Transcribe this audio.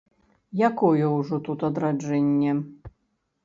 Якое ўжо тут адраджэнне.